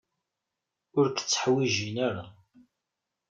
Ur k-tteḥwijin ara.